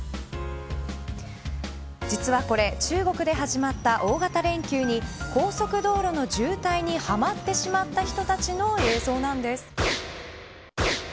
実はこれ、中国で始まった大型連休に高速道路の渋滞にはまってしまった人たちの映像なんです。